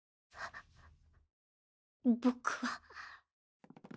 僕は。